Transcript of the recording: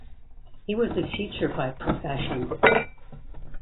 He was a teacher by profession.